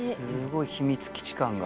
秘密基地感が。